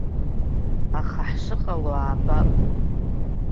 Аха ҳшыҟало аабап.